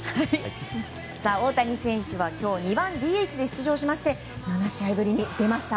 大谷選手は今日２番ＤＨで出場しまして７試合ぶりに出ました。